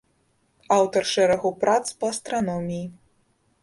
Аўтар шэрагу прац па астраноміі.